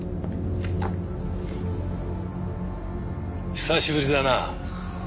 久しぶりだなぁ。